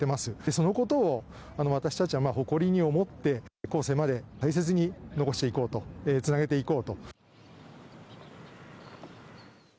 そのことを私たちは誇りに思って後世まで大切に残していこうとつなげていこうと。